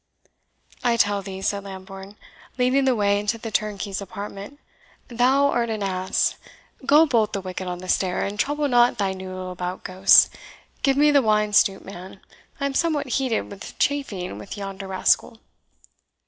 "I tell thee," said Lambourne, leading the way into the turnkey's apartment, "thou art an ass. Go bolt the wicket on the stair, and trouble not thy noddle about ghosts. Give me the wine stoup, man; I am somewhat heated with chafing with yonder rascal."